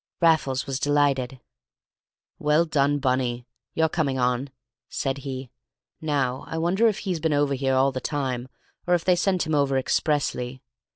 Raffles was delighted. "Well done, Bunny; you're coming on," said he. "Now I wonder if he's been over here all the time, or if they sent him over expressly?